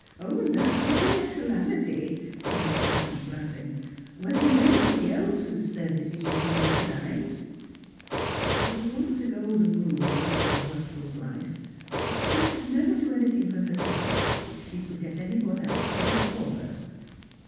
"And that would be a calamity," cries Blanche, laughing, "when there is anybody else whose services you can utilise !" It was one of the golden rules of Elizabeth Luttrell's life that she should never do anything for herself which she could get any one else to do for her.